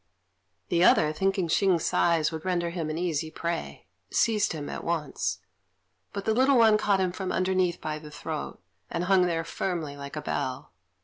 The other, thinking Hsing's size would render him an easy prey, seized him at once; but the little one caught him from underneath by the throat, and hung there firmly, like a bell.